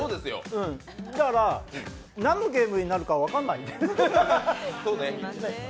だから、なんのゲームになるか分からない。